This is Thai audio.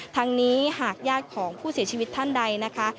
ทั้งนี้หากญาติของผู้เสียชีวิตท่านใดนะคะ